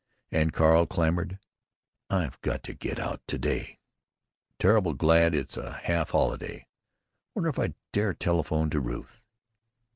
and Carl clamored: "I've got to get out to day. Terrible glad it's a half holiday. Wonder if I dare telephone to Ruth?"